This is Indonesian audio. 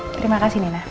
terima kasih nenek